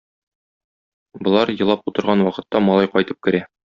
Болар елап утырган вакытта малай кайтып керә.